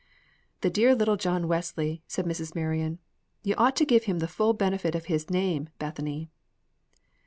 "The dear little John Wesley," said Mrs. Marion; "you ought to give him the full benefit of his name, Bethany."